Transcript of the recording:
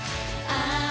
あ